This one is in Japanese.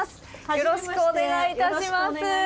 よろしくお願いします。